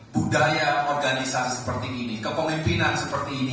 budaya organisasi seperti ini kepemimpinan seperti ini